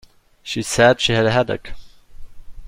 She said she had a headache.